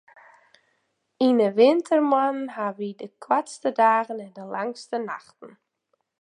Yn 'e wintermoannen hawwe wy de koartste dagen en de langste nachten.